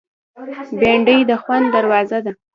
بېنډۍ د خوند دروازه ده